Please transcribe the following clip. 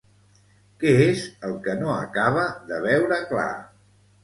Què és el que no acaba de veure clar?